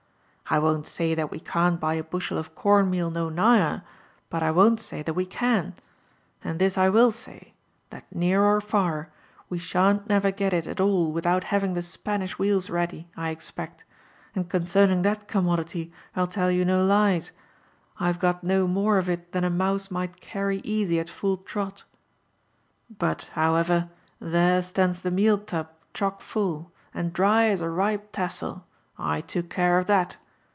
I won't say that we can't buy a bushel of corn meal no ntgher, but I won't say that we, can ; but this I will say, that near or far, we shan't never get it at all without having the Spanish wheels ready, I expect; and concerning that commodity I'll tell you no lies, — I have got no more of it than a mouse might carry easy at full trot. But, however, there stands the meal tub chock full, and dry as a ripe tassel, — I took care of that.